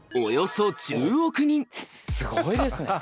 すごいですね。